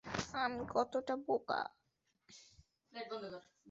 আমি কতটা বোকা!